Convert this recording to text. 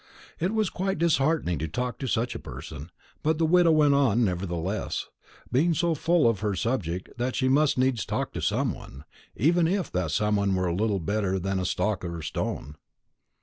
It was quite disheartening to talk to such a person; but the widow went on nevertheless, being so full of her subject that she must needs talk to some one, even if that some one were little better than a stock or a stone.